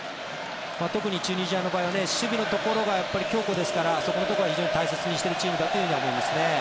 特にチュニジアの場合は守備のところが強固ですからそこのところは非常に大切にしているチームだと思いますね。